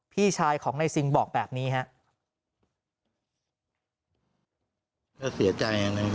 พี่ชายของในซิงบอกแบบนี้ครับ